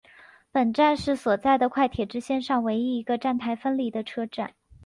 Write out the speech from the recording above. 本站是所在的快铁支线上唯一一个站台分离的车站。